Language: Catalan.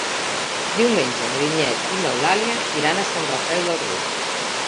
Diumenge na Vinyet i n'Eulàlia iran a Sant Rafel del Riu.